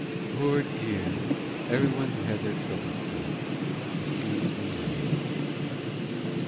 "Poor dear! Everyone has their troubles, sir. The sea's been mine."